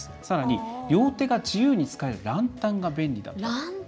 さらに、両手が自由に使えるランタンが便利だったと。